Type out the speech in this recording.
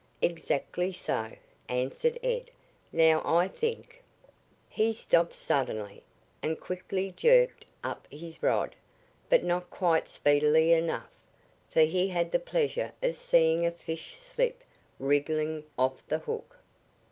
"Exactly so," answered Ed. "Now I think " He stopped suddenly, and quickly jerked up his rod, but not quite speedily enough, for he had the pleasure of seeing a fish slip wrigglingly off the hook.